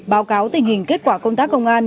báo cáo tình hình kết quả công tác công an